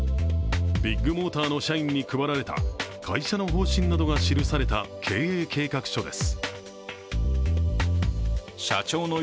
ビッグモーターの社員に配られた会社の方針などが記された経営計画書です。